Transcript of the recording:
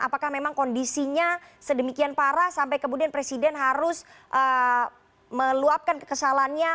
apakah memang kondisinya sedemikian parah sampai kemudian presiden harus meluapkan kekesalannya